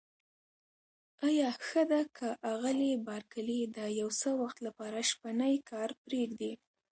آیا ښه ده که آغلې بارکلي د یو څه وخت لپاره شپنی کار پرېږدي؟